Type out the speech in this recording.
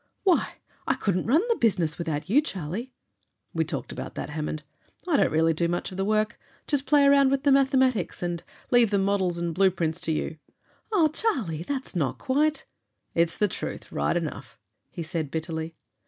"Why, I couldn't run the business without you, Charlie!" "We talked about that, Hammond. I don't really do much of the work. Just play around with the mathematics, and leave the models and blueprints to you." "Oh, Charlie, that's not quite " "It's the truth, right enough," he said, bitterly.